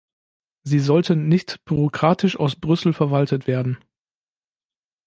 Sie sollten nicht bürokratisch aus Brüssel verwaltet werden.